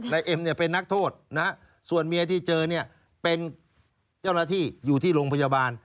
ในเอ็มเป็นนักโทษส่วนเมียที่เจอเป็นเจ้าหน้าที่อยู่ที่โรงพยาบาล